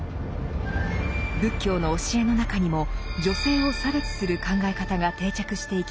仏教の教えの中にも女性を差別する考え方が定着していきました。